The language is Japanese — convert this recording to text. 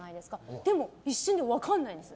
でも一瞬で分からないんですよ。